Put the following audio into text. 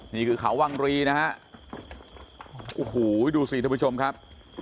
นี่คือเขาวังรีนะฮะโอ้โหดูสิท่านผู้ชมครับ